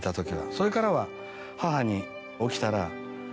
それからは母に。